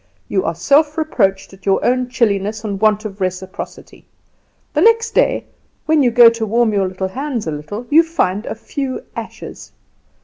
You are self reproached at your own chilliness and want of reciprocity. The next day, when you go to warm your hands a little, you find a few ashes!